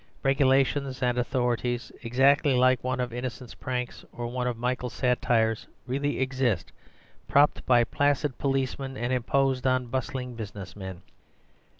Regulations and authorities exactly like one of Innocent's pranks or one of Michael's satires really exist, propped by placid policemen and imposed on bustling business men.